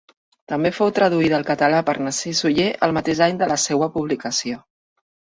També fou traduïda al català per Narcís Oller el mateix any de la seua publicació.